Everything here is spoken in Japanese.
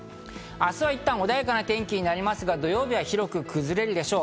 明日はいったん、穏やかな天気になりますが土曜日は広く崩れるでしょう。